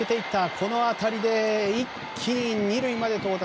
この当たりで一気に２塁まで到達。